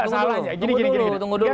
salahnya ini ini ini tunggu dulu